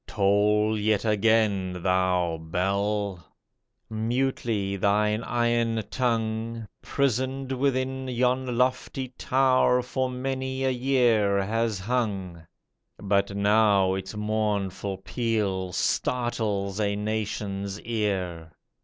Toll yet again, thou bell ! Mutely thine iron tongue. Prisoned within yon lofty tower, For many a year has hung. But now its mournful peal Startles a nation's ear.